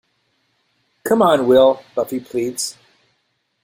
"Come on, Will," Buffy pleads.